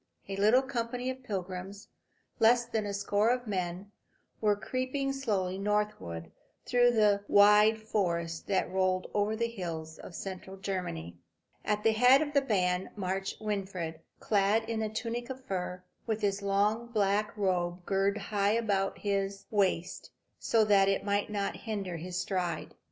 A little company of pilgrims, less than a score a men, were creeping slowly northward through the wide forest that rolled over the hills of central Germany. At the head of the band marched Winfried, clad in a tunic of fur, with his long black robe girt high about his waist, so that it might not hinder his stride.